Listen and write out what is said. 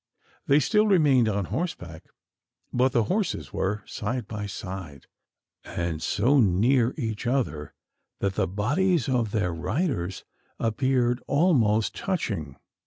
They still remained on horseback; but the horses were side by side, and so near each other, that the bodies of their riders appeared almost touching.